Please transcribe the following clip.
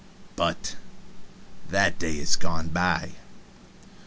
But that day is gone by.